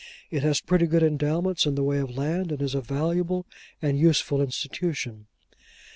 It has pretty good endowments in the way of land, and is a valuable and useful institution.